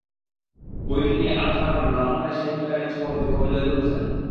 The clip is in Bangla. বইটি নিয়ে আলোচনা করেন ব্রাহ্মণবাড়িয়া সাহিত্য একাডেমির সভাপতি কবি জয়দুল হোসেন।